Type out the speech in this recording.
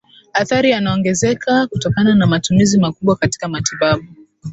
athari anaongezeka kutokana na matumizi makubwa katika matibabu